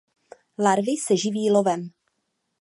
Larvy se živí lovem.